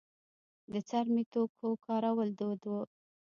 د څرمي توکو کارول دود و